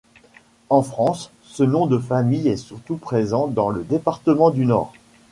En France, ce nom de famille est surtout présent dans le département du Nord.